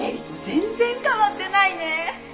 全然変わってないね。